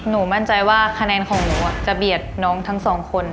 มั่นใจว่าคะแนนของหนูจะเบียดน้องทั้งสองคน